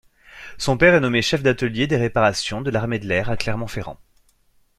Son père est nommé chef d’atelier des réparations de l’armée de l’air à Clermont-Ferrand.